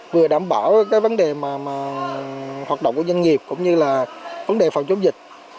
vừa đảm bảo cái vấn đề mà hoạt động của doanh nghiệp cũng như là vấn đề phòng chống dịch